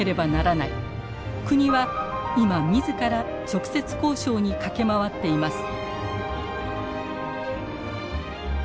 国は今自ら直接交渉に駆け回っています。